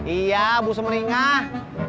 iya bu semeringah